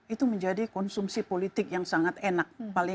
itu menjadi konsumsi politik yang sangat enak